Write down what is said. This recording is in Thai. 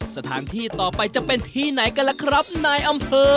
สถานที่ต่อไปจะเป็นที่ไหนกันล่ะครับนายอำเภอ